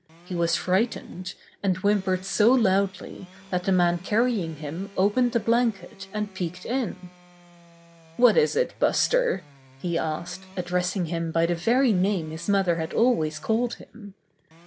He was frightened, and whimpered so loudly that the man carrying him opened the blanket and peeked in. "What is it, Buster?" he asked, addressing him by the very name his mother had always called him.